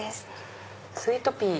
スイートピー